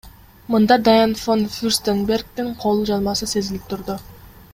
Мында Дайан фон Фюрстенбергдин кол жазмасы сезилип турду.